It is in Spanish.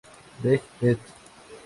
Veg., ed.